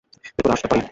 ভেতরে আসতে পারি?